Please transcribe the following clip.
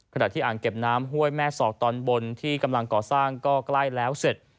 ขณะที่อ่างเก็บน้ำห้วยแม่ศอกตอนบนที่กำลังก่อสร้างก็ใกล้แล้วเสร็จ